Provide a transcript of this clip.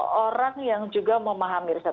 itu harus orang yang juga memahami riset